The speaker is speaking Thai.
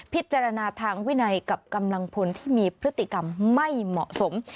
พิจารณาทางวินัยกับกำลังพลที่มีพฤติกรรมไม่เหมาะสม